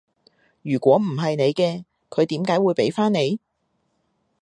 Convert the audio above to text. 如果唔係你嘅，佢點解會畀返你？